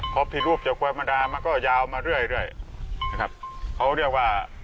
พอผิดรูปจากควายธรรมดามันก็ยาวมาเรื่อยนะครับเขาเรียกว่า